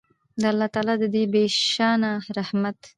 د الله تعالی د دې بې شانه رحمت